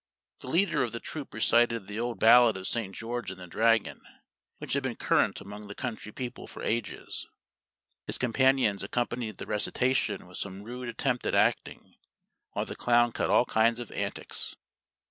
The leader of the troop recited the old ballad of St. George and the Dragon, which had been current among the country people for ages; his companions accompanied the recitation with some rude attempt at acting, while the clown cut all kinds of antics.